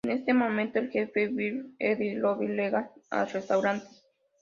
En ese momento, el jefe Wiggum, Eddie y Lou llegan al restaurant.